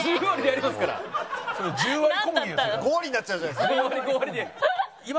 五割になっちゃうじゃないですか！